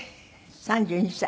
３２歳？